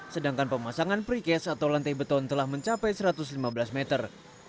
sedangkan pemasangan precast atau lantai beton telah mencapai satu ratus lima belas meter